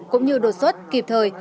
cũng như đột xuất kịp thời